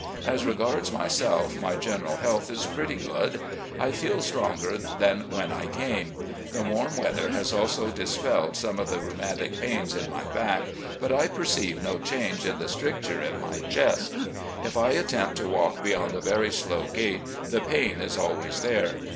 As regards myself, my general health is pretty good. I feel stronger than when I came. The warm weather has also dispelled some of the rhetunatic pains in my back, but I perceive no change in the stricture in my chest. If I attempt to walk beyond a very slow gait, the pain is always there.